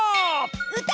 うた！